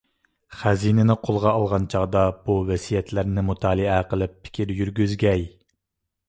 خەزىنىنى قولغا ئالغان چاغدا بۇ ۋەسىيەتلەرنى مۇتالىئە قىلىپ پىكىر يۈرگۈزگەي.